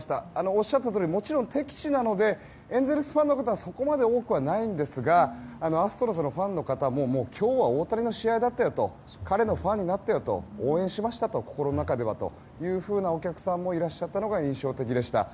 おっしゃったとおりもちろん適地なのでエンゼルスファンの方はそこまで多くはないんですがアストロズのファンの方も今日は大谷の試合だったよと彼のファンになったよと応援しましたよと心の中ではというふうなお客さんもいらっしゃったのが印象的でした。